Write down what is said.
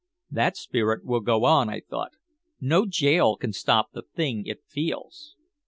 "That spirit will go on," I thought. "No jail can stop the thing it feels!"